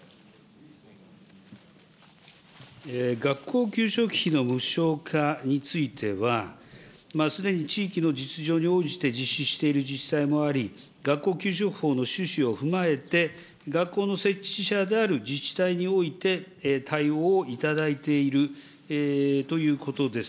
学校給食費の無償化については、すでに地域の実情に応じて実施している自治体もあり、学校給食法の趣旨を踏まえて、学校の設置者である自治体において対応をいただいているということです。